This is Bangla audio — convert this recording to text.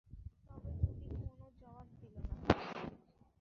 তবে জুডি কোনো জবাব দিল না।